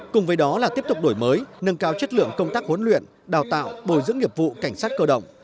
cùng với đó là tiếp tục đổi mới nâng cao chất lượng công tác huấn luyện đào tạo bồi dưỡng nghiệp vụ cảnh sát cơ động